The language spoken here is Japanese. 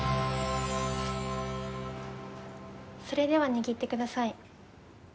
それでは握って下さい。